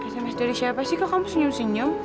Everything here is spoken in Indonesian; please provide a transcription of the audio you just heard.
sms dari siapa sih kok kamu senyum senyum